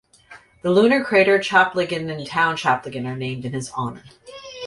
The lunar crater Chaplygin and town Chaplygin are named in his honour.